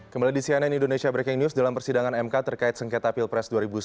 kembali di cnn indonesia breaking news dalam persidangan mk terkait sengketa pilpres dua ribu sembilan belas